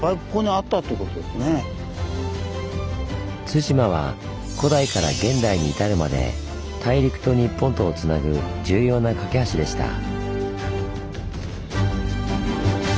対馬は古代から現代に至るまで大陸と日本とをつなぐ重要なかけ橋でした。